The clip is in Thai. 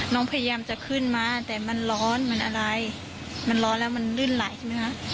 น้องพยายามจะขึ้นมาแต่มันร้อนมันอะไรมันร้อนแล้วมันลื่นไหลใช่ไหมคะ